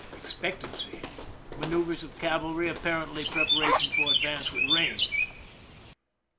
Expectancy. Manoeuvers of cavalry, apparently prepara tion for advance with rain.